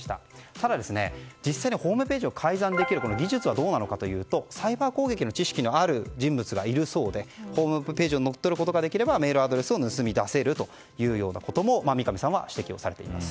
ただ、実際にホームページを改ざんできる技術はどうなのかというとサイバー攻撃の知識のある人物がいるようでホームページを乗っ取ることができればメールアドレスを盗み出せるというようなことも三上さんは指摘されています。